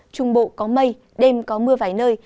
trung bộ có mây đêm có mưa vài nơi